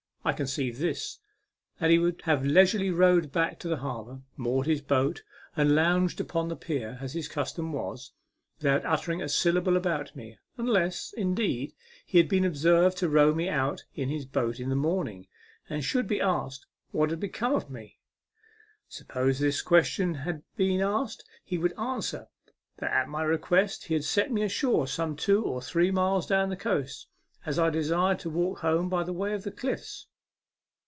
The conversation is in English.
I conceived this : that he would have leisurely rowed back to the harbour, moored his boat, and lounged upon the pier, as his custom was, without uttering a syllable about me, unless, indeed, he had been observed to row me out in his boat in the morning, and should be asked what had become of me. Supposing this ques tion asked, he would answer that at my request he had set me ashore some two or three miles down the coast, as I desired to walk home by way of the cliffs.